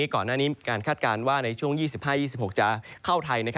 ก่อนหน้านี้มีการคาดการณ์ว่าในช่วง๒๕๒๖จะเข้าไทย